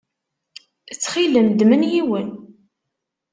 Ttxil-m ddem-n yiwen.